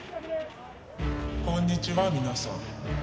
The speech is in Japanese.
こんにちは皆さん